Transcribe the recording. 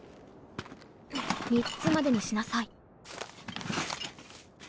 ３つまでにしなさい。